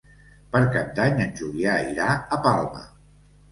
Per Cap d'Any en Julià irà a Palma.